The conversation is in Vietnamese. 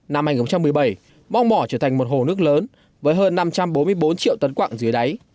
năm hai nghìn một mươi bảy mong mỏ trở thành một hồ nước lớn với hơn năm trăm bốn mươi bốn triệu tấn quặng dưới đáy